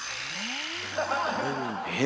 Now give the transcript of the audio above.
え？